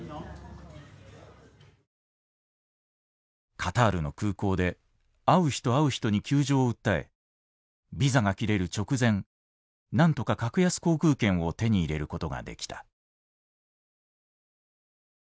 カタールの空港で会う人会う人に窮状を訴えビザが切れる直前なんとか格安航空券を手に入れることができた。